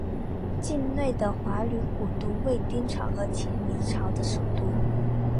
境内的华闾古都为丁朝和前黎朝的首都。